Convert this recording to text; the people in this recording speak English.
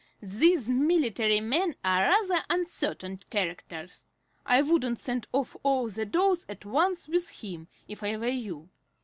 "These military men are rather uncertain characters. I wouldn't send off all the dolls at once with him, if I were you.